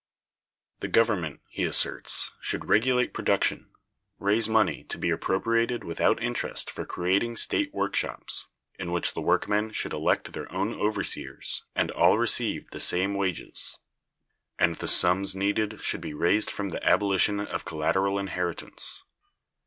The Government, he asserts, should regulate production; raise money to be appropriated without interest for creating state workshops, in which the workmen should elect their own overseers, and all receive the same wages; and the sums needed should be raised from the abolition of collateral inheritance.